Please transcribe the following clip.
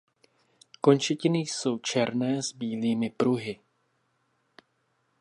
Končetiny jsou černé s bílými pruhy.